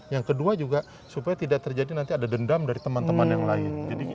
yang kedua juga supaya tidak terjadi nanti ada dendam dari teman teman yang lain